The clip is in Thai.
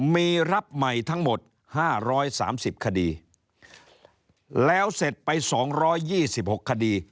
มีรับใหม่ทั้งหมดห้าร้อยสามสิบคดีแล้วเสร็จไปสองร้อยยี่สิบหกคดี